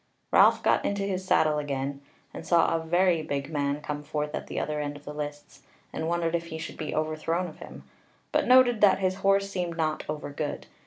Ralph got into his saddle again, and saw a very big man come forth at the other end of the lists, and wondered if he should be overthrown of him; but noted that his horse seemed not over good.